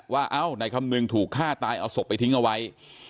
เอ้านายคำนึงถูกฆ่าตายเอาศพไปทิ้งเอาไว้